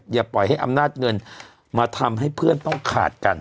อย่าปล่อยให้อำนาจเงินมาทำให้เพื่อนต้องขาดกัน